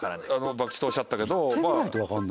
博打とおっしゃったけど。